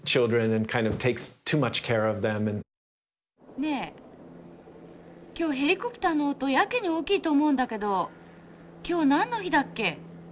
ねえ今日ヘリコプターの音やけに大きいと思うんだけど今日何の日だっけ？